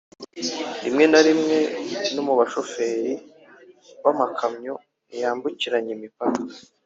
rimwe na rimwe no mu bashoferi b’amakamyo yambukiranya imipaka